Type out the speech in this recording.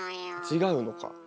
違うのか。